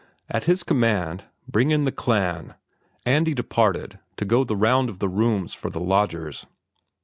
At his command, "Bring in the clan," Andy departed to go the round of the rooms for the lodgers.